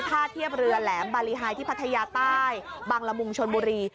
ท่าเทียบเรือแหลมบารีไฮที่พัทยาใต้บังละมุงชนบุรี